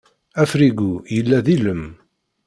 Afrigu yella d ilem.